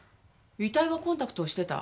遺体はコンタクトをしてた。